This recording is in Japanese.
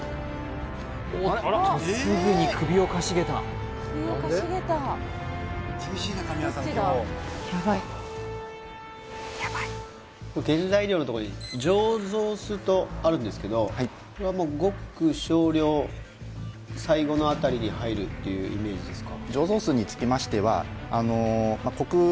おっとすぐに首をかしげた・やばい原材料のとこに「醸造酢」とあるんですけどこれはもうごく少量最後のあたりに入るっていうイメージですか？